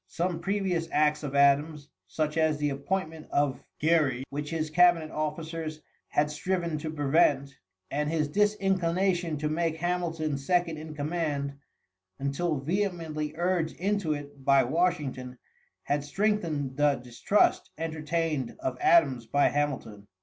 Some previous acts of Adams, such as the appointment of Gerry, which his cabinet officers had striven to prevent, and his disinclination to make Hamilton second in command, until vehemently urged into it by Washington, had strengthened the distrust entertained of Adams by Hamilton.